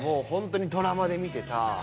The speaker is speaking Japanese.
ドラマで見てた。